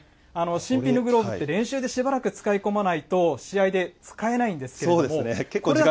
新品のグローブって、練習でしばらく使い込まないと試合で使えないんですけれども。